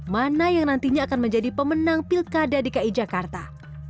mana yang nantinya akan menjadi pemenang pilkada dki jakarta